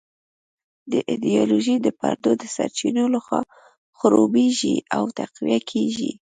دا ایډیالوژي د پردو د سرچینو لخوا خړوبېږي او تقویه کېږي.